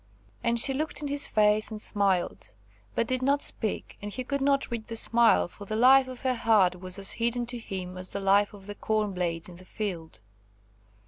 And she looked in his face and smiled, but did not speak and he could not read the smile, for the life of her heart was as hidden to him as the life of the corn blades in the field.